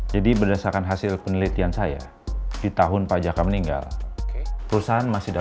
jadi berdasarkan hasil penelitian saya di tahun pak jaka meninggal